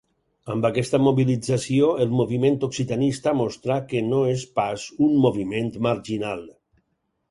Amb aquesta mobilització, el moviment occitanista mostrà que no és pas un moviment marginal.